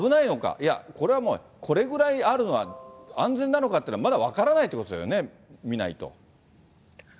いやこれはもう、これぐらいあるのは、安全なのかっていうのは、まだ分からないっそうですね。